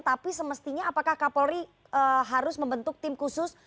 tapi semestinya apakah kapolri harus membentuk tim khusus